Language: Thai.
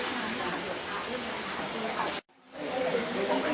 สวัสดีครับสวัสดีครับ